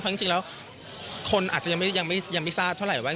เพราะจริงแล้วคนอาจจะยังไม่ทราบเท่าไหร่ว่า